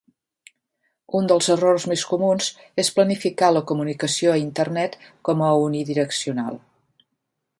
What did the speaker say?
Un dels errors més comuns és planificar la comunicació a internet com a unidireccional.